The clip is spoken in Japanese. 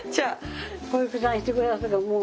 小雪さんしてくれはるからもう。